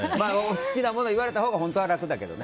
好きなものを言われたほうが本当は楽だけどね。